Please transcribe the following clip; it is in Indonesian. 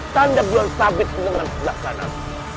tanda bulan sabit di lengan sebelah kanan